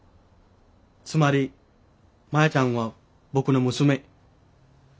つまりマヤちゃんは僕の娘。